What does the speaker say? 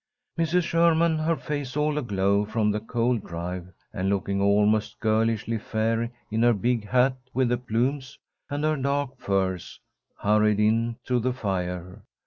Mrs. Sherman, her face all aglow from the cold drive, and looking almost girlishly fair in her big hat with the plumes, and her dark furs, hurried in to the fire.